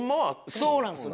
そうなんですよ。